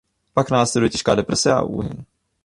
Pak následuje těžká deprese a úhyn.